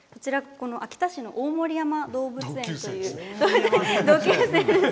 秋田市の大森山動物園という同級生です。